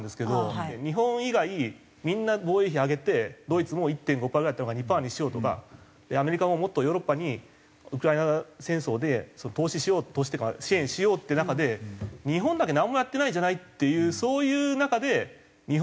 日本以外みんな防衛費上げてドイツも１．５パーぐらいだったのが２パーにしようとかアメリカももっとヨーロッパにウクライナ戦争で投資しよう投資っていうか支援しようって中で日本だけなんもやってないじゃないっていうそういう中で日本もなんかやらなきゃっていう。